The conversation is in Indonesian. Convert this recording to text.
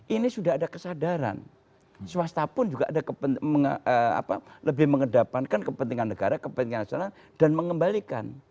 ini sudah ada kesadaran swasta pun juga ada lebih mengedapankan kepentingan negara kepentingan nasional dan mengembalikan